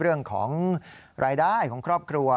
เรื่องของรายได้ของครอบครัว